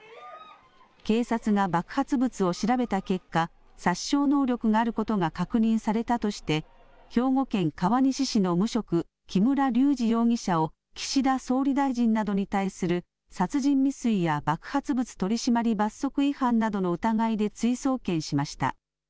警察が爆発物を調べた結果殺傷能力があることが確認されたとして兵庫県川西市の無職木村隆二容疑者を岸田総理大臣などに対する殺人未遂や爆発物取締罰則違反などの疑いで追送検しました。